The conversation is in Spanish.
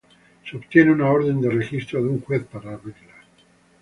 Se obtiene una orden de registro de un juez para abrirla.